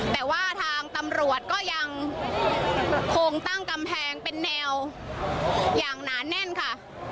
แต่ว่าทางตำรวจก็ยังคงตั้งกำแพงเป็นแนวอย่างหนาแน่นค่ะ